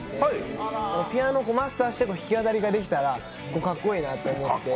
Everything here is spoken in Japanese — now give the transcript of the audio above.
ピアノをマスターしての弾き語りができたらかっこいいなと。